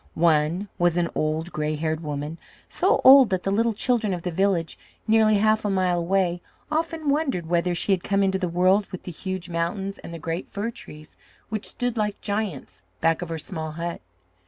One was an old, gray haired woman, so old that the little children of the village, nearly half a mile away, often wondered whether she had come into the world with the huge mountains, and the great fir trees, which stood like giants back of her small hut.